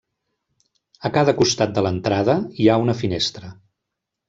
A cada costat de l'entrada hi ha una finestra.